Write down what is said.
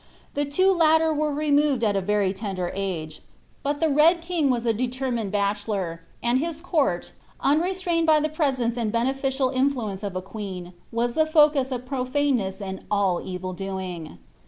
Tlie twu latter were removed at very lender age ; but the Red King was a determined bachelor, and ' court, unrestrained by llie presence and beneBciai influence ol' a _ wn, was the locus of profaneness and all evil doing.